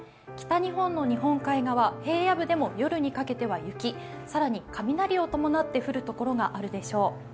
北日本の日本海側平野部でも夜にかけては雪、更に雷を伴って降る所があるでしょう。